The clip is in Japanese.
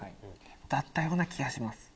だったような気がします。